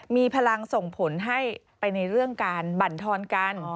มีพลังส่งผลให้ไปในเรื่องการบรรทอนกัน